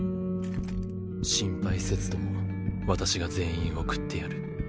心配せずとも私が全員送ってやる。